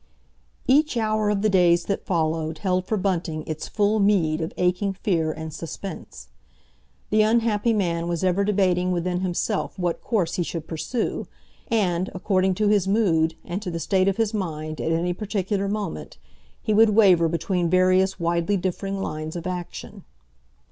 Each hour of the days that followed held for Bunting its full meed of aching fear and suspense. The unhappy man was ever debating within himself what course he should pursue, and, according to his mood and to the state of his mind at any particular moment, he would waver between various widely differing lines of action.